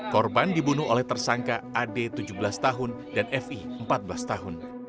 korban dibunuh oleh tersangka ad tujuh belas tahun dan fi empat belas tahun